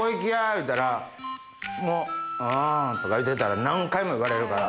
言うたらもう「あぁ」とか言うてたら何回も言われるから。